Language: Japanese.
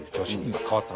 今変わった。